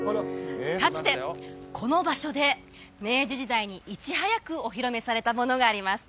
かつてこの場所で明治時代にいち早くお披露目されたものがあります